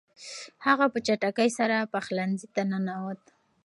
هغه په چټکۍ سره پخلنځي ته ننووت.